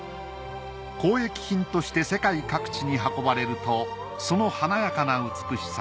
交易品として世界各地に運ばれるとその華やかな美しさから